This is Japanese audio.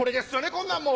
こんなんもう。